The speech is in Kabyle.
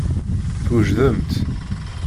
Twejdemt.